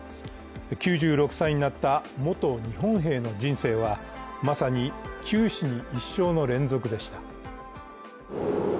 ９６歳になった元日本兵の人生はまさに九死に一生の連続でした。